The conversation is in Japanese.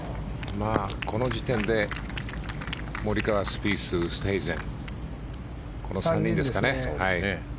この時点でモリカワ、スピースウーストヘイゼンこの３人ですかね。